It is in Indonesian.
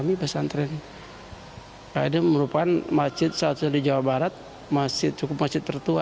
ini masjid yang cukup masjid tertua